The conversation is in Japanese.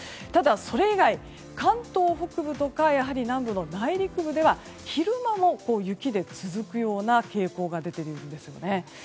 ただ、それ以外、関東北部とかやはり南部の内陸部では昼間も雪が続くような傾向が出ているんですね。